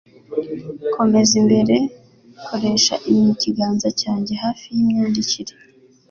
Komeza imbere, koresha ikiganza cyanjye hafi yimyandikire.